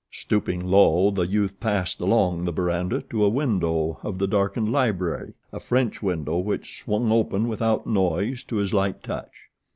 Stooping low the youth passed along the verandah to a window of the darkened library a French window which swung open without noise to his light touch.